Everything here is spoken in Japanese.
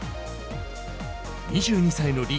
２２歳のリ。